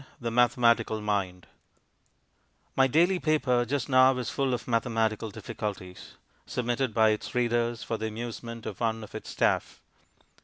The Mathematical Mind My daily paper just now is full of mathematical difficulties, submitted by its readers for the amusement of one of its staff.